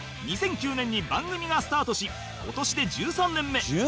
２００９年に番組がスタートし今年で１３年目